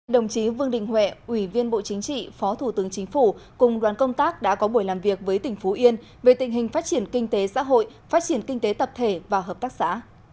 đồng chí vương đình huệ ủy viên bộ chính trị phó thủ tướng chính phủ cùng đoàn công tác đã có buổi làm việc với tỉnh phú yên về tình hình phát triển kinh tế xã hội phát triển kinh tế tập thể và hợp tác xã